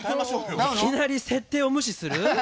いきなり設定を無視する？